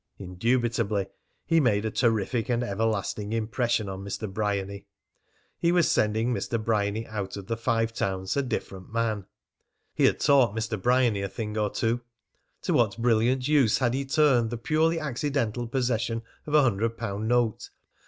Indubitably, he made a terrific and everlasting impression upon Mr. Bryany. He was sending Mr. Bryany out of the Five Towns a different man. He had taught Mr. Bryany a thing or two. To what brilliant use had he turned the purely accidental possession of a hundred pound note!